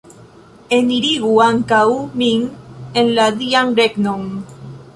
Enirigu ankaŭ min en la Dian regnon!